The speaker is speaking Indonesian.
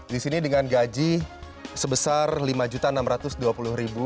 di sini dengan gaji sebesar rp lima enam ratus dua puluh